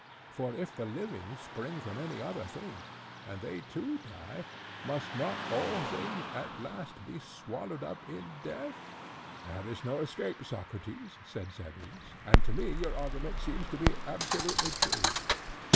For if the living spring from any other things, and they too die, must not all things at last be swallowed up in death? (But compare Republic.) There is no escape, Socrates, said Cebes; and to me your argument seems to be absolutely true.